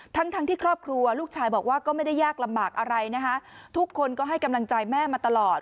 ทั้งทั้งที่ครอบครัวลูกชายบอกว่าก็ไม่ได้ยากลำบากอะไรนะคะทุกคนก็ให้กำลังใจแม่มาตลอด